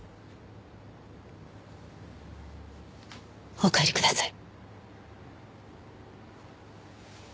お帰りください。